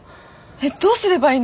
えっどうすればいいの？